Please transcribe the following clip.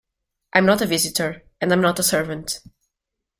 ‘I’m not a visitor, and I’m not a servant.